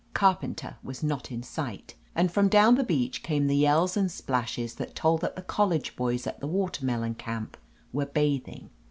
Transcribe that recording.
Carpenter was not in sight, and from down the beach came the yells and splashes that told that the college boys at the Watermelon Camp were bathing.